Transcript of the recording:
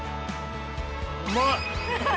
うまい！